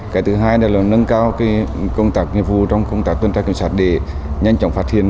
cái thứ hai là nâng cao công tác nghiệp vụ trong công tác tuần tra kiểm soát để nhanh chóng phát hiện